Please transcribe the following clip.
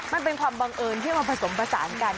มันเป็นความบังเอิญที่มันผสมประสานกัน